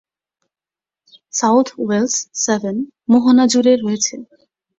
South Wales Severn মোহনা জুড়ে রয়েছে।